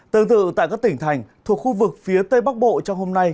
tương tự tại các tỉnh thành thuộc khu vực phía tây bắc bộ trong hôm nay